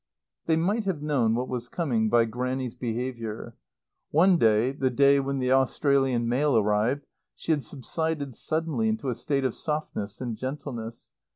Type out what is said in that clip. They might have known what was coming by Grannie's behaviour. One day, the day when the Australian mail arrived, she had subsided suddenly into a state of softness and gentleness.